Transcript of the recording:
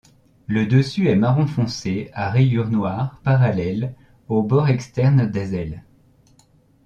Le dessus est marron foncé à rayures noires parallèles aux bords externes des ailes.